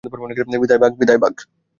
বিদায়, বায।